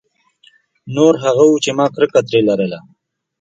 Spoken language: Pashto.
نور هغه وو چې ما کرکه ترې لرله.